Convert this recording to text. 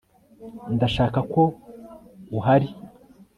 ndashaka ko uhari